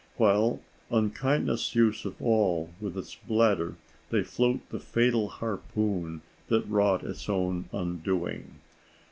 While, unkindest use of all, with its bladder they float the fatal harpoon that wrought its own undoing.